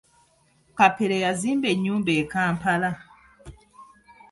Kapere yazimba enyumba e Kampala.